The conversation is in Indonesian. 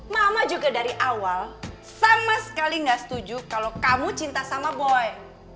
mama juga dari awal sama sekali gak setuju kalau kamu cinta sama boy